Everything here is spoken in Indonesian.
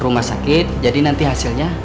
rumah sakit jadi nanti hasilnya